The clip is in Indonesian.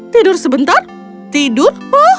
tidur sebentar tidur